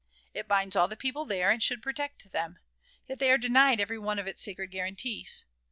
It binds all the people there, and should protect them; yet they are denied every one of its sacred guarantees.